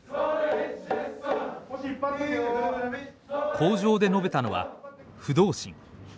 口上で述べたのは「不動心」。